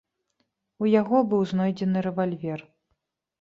У яго быў знойдзены рэвальвер.